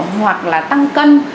hoặc là tăng cân